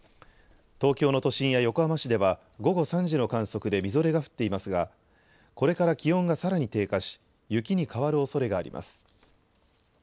東京の都心や横浜市では午後３時の観測でみぞれが降っていますがこれから気温がさらに低下し雪に変わるおそれがあります。